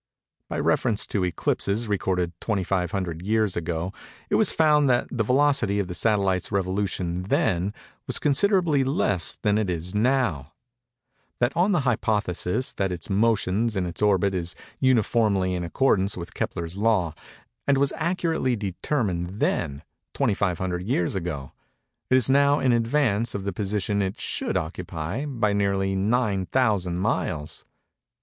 By reference to eclipses recorded 2500 years ago, it was found that the velocity of the satellite's revolution then was considerably less than it is now; that on the hypothesis that its motions in its orbit is uniformly in accordance with Kepler's law, and was accurately determined then—2500 years ago—it is now in advance of the position it should occupy, by nearly 9000 miles.